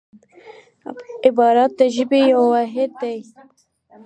عبارت د ژبي یو واحد دئ.